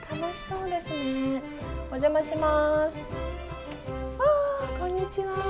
うわこんにちは。